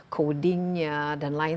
coding nya dan lain